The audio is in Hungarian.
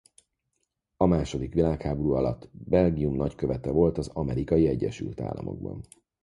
A második világháború alatt Belgium nagykövete volt az Amerikai Egyesült Államokban.